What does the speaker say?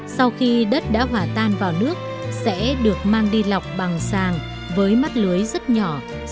sau khi đất đã hỏa tan vào nước sẽ được mang đi lọc bằng sàng với mắt lưới rất nhỏ sang một bể khác